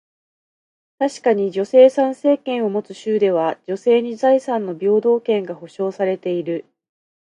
確かに、女性参政権を持つ州では、女性に財産の平等権が保証されている。